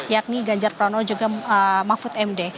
yakni ganjar pranowo juga mahfud md